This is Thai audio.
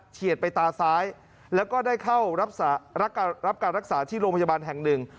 เฉียดไปตาซ้ายแล้วก็ได้เข้ารับการรับการรักษาที่โรงพยาบาลแห่งหนึ่ง